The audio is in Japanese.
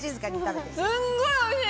すんごいおいしい！